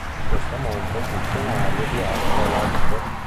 Questo monte fu scenario di aspre lotte.